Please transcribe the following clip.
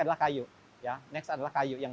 adalah kayu ya next adalah kayu yang